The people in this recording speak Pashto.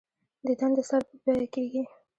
دیدن د سر په بیعه کېږي.